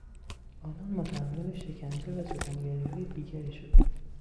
آنان متحمل شکنجه و ستمگریهای دیگری شدند.